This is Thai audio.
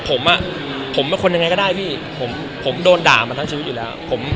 ผมอ่ะผมเป็นคนยังไงก็ได้พี่ผมผมโดนด่ามาทั้งชีวิตอยู่แล้ว